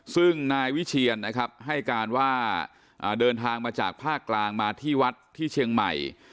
ซึ่งนายวิเชียนนะครับให้การว่าเดินทางมาจากภาคกลางมาที่วัดที่เชียงใหม่